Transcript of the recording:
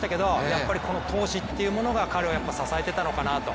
やっぱりこの闘志というものが彼を支えていたのかなと。